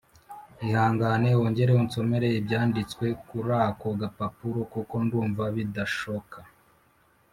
ihangane wongere unsomere ibyanditse kurako gapapuro kuko ndumva bidashoka